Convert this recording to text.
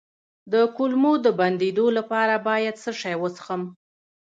د کولمو د بندیدو لپاره باید څه شی وڅښم؟